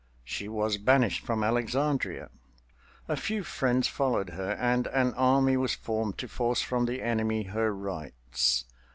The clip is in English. She was banished from Alexandria. A few friends followed her, and an army was formed to force from the enemy her rights.